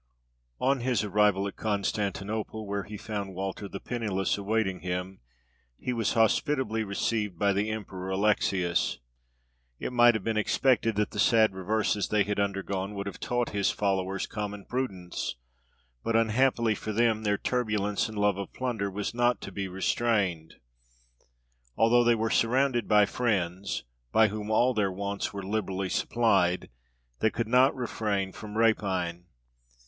On his arrival at Constantinople, where he found Walter the Pennyless awaiting him, he was hospitably received by the Emperor Alexius. It might have been expected that the sad reverses they had undergone would have taught his followers common prudence; but, unhappily for them, their turbulence and love of plunder was not to be restrained. Although they were surrounded by friends, by whom all their wants were liberally supplied, they could not refrain from rapine.